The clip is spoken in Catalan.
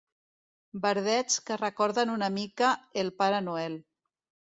Verdets que recorden una mica el Pare Noel.